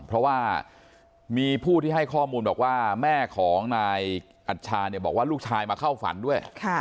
เพราะว่ามีผู้ที่ให้ข้อมูลบอกว่าแม่ของนายอัชชาเนี่ยบอกว่าลูกชายมาเข้าฝันด้วย